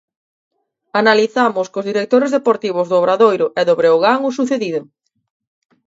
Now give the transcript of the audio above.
Analizamos cos directores deportivos do Obradoiro e do Breogán o sucedido.